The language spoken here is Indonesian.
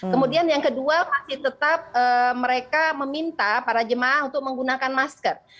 kemudian yang kedua masih tetap mereka meminta para jemaah untuk menggunakan masker